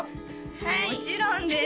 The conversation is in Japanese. はいもちろんです